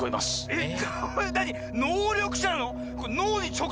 えっ！